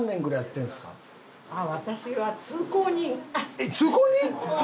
えっ通行人！？